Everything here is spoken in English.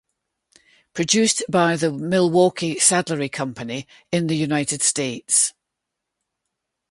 Produced by the Milwaukee Saddlery Company in the United States.